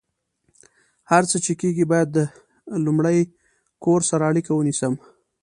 هر څه چې کیږي، باید لمړۍ کور سره اړیکه ونیسم